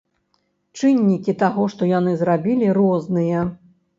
Чыннікі таго, што яны зрабілі, розныя.